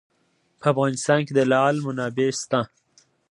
په افغانستان کې د لعل منابع شته.